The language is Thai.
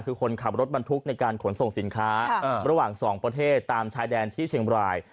คือคนขับรถบรรทุกในการขนส่งสินค้าระหว่างสองประเทศตามชายแดนที่เชียงบราย